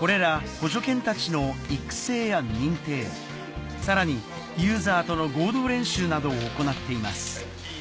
補助犬たちの育成や認定さらにユーザーとの合同練習などを行っています